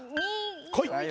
こい。